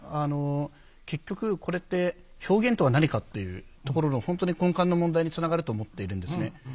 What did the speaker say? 結局これって表現とは何かっていうところの本当に根幹の問題につながると思っているんですね。